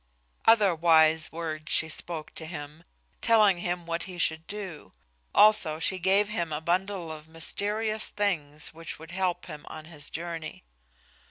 Other wise words she spoke to him, telling him what he should do; also she gave him a bundle of mysterious things which would help him on his journey.